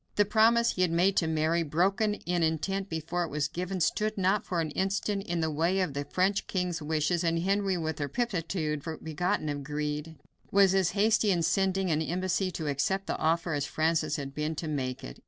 The promise he had made to Mary, broken in intent before it was given, stood not for an instant in the way of the French king's wishes; and Henry, with a promptitude begotten of greed, was as hasty in sending an embassy to accept the offer as Francis had been to make it.